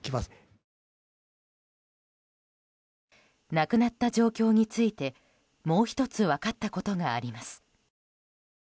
亡くなった状況についてもう１つ分かったことがあります。